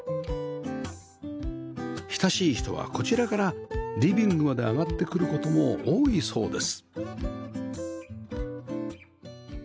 親しい人はこちらからリビングまで上がってくる事も多いそうです